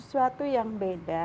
sesuatu yang beda